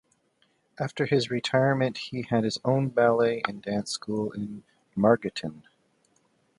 After his retirement he had his own ballet and dance school in Margareten.